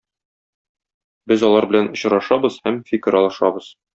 Без алар белән очрашабыз һәм фикер алышабыз.